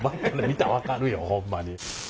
見たら分かるよホンマに。